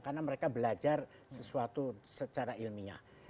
karena mereka belajar sesuatu secara ilmiah